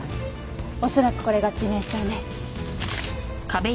恐らくこれが致命傷ね。